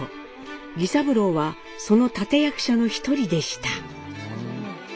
儀三郎はその立て役者の一人でした。